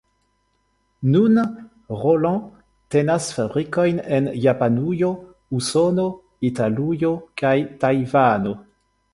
Nun Roland tenas fabrikojn en Japanujo, Usono, Italujo kaj Tajvano.